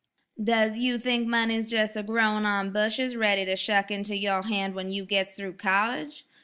"Does you think money's jes' a growin' on bushes ready to shuck into your hand when you gits through college?